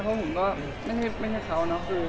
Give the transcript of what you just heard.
เพราะว่าผมก็ไม่ใช่เขานะ